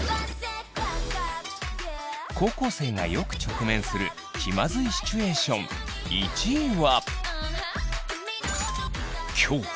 高校生がよく直面する気まずいシチュエーション１位は。